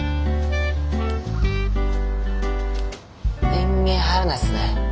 電源入らないっすね。